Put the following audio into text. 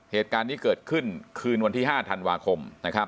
เหตุการณ์นี้เกิดขึ้นคืนวันที่๕ธันวาคม